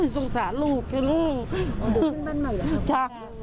สงสารลูก